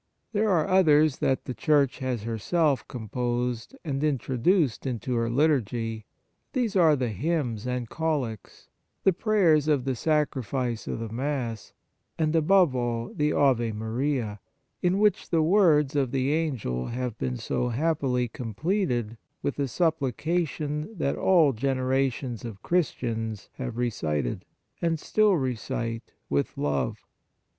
There are others that the Church has herself composed and introduced into her liturgy ; there are the hymns and collects, the prayers of the Sacrifice of the Mass, arid, above all, the Ave Maria, in which the words of the Angel have been so happily com pleted with a supplication that all generations of Christians have re cited, and still recite, with love.